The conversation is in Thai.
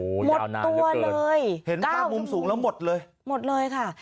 หมดตัวเลยเห็นภาพมุมสูงแล้วหมดเลยหมดเลยค่ะ